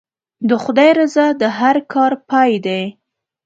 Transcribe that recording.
د خدای رضا د هر کار پای دی.